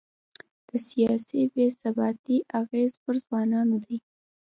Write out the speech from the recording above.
د سیاسي بې ثباتۍ اغېز پر ځوانانو دی.